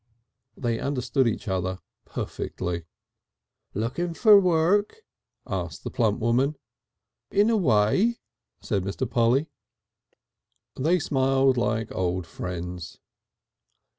They understood each other perfectly. "Looking for work?" asked the plump woman. "In a way," said Mr. Polly. They smiled like old friends.